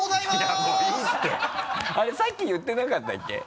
さっき言ってなかったっけ？